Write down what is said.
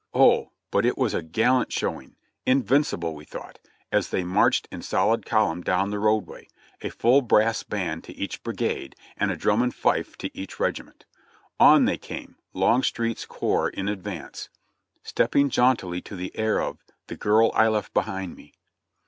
Oh! but it was a gallant showing — invincible, we thought — as they marched in solid column down the roadway, a full brass band to each brigade, and a drum and fife to each regiment. On they came, Longstreet's corps in advance, stepping jauntily to the air of "The girl I left behind me."